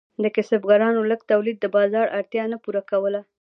د کسبګرانو لږ تولید د بازار اړتیا نه پوره کوله.